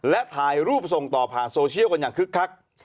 และถ่ายรูปส่งต่อผ่านโซเชียลกันอย่างคึกคัก